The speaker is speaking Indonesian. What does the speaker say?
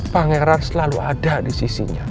pangeran selalu ada di sisinya